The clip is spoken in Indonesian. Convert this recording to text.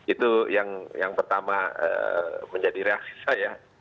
itu yang pertama menjadi reaksi saya